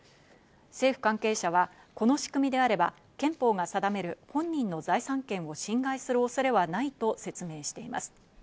政府関係者はこの仕組みであれば憲法が定める本人の財産権を侵害する恐れはないと説明しています。